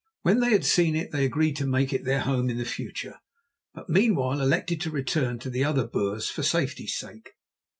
When they had seen it they agreed to make it their home in the future, but meanwhile elected to return to the other Boers for safety's sake.